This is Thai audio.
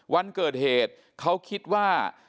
วันเกิดเหตุเขาคิดว่า